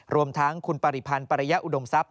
รวมทั้งคุณปริพันธ์ปริยะอุดมทรัพย